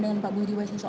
dengan pak budi wasiso